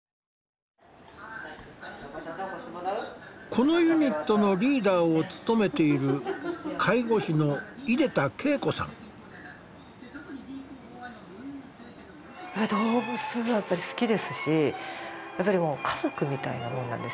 このユニットのリーダーを務めている動物が好きですしやっぱりもう家族みたいなもんなんですよ。